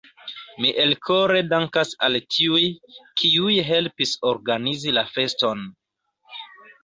Mi elkore dankas al tiuj, kiuj helpis organizi la feston.